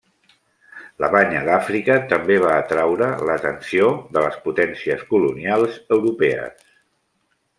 La Banya d'Àfrica també va atraure l'atenció de les potències colonials europees.